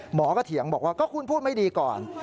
หมอก็เถียงบอกว่าก็คุณพูดไม่ดีก่อน